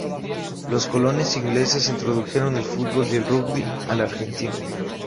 Los colonos ingleses introdujeron el fútbol y el rugby a la Argentina.